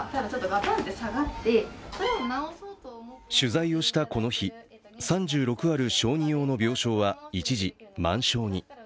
取材をしたこの日、３６ある小児用の病床は一時、満床に。